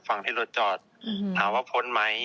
ฝั่งที่รถจอดถามว่าพ้นไหม